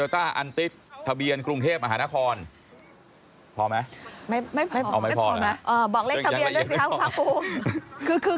บอกเลขทะเบียนด้วยสิครับคุณภาคภูมิคือ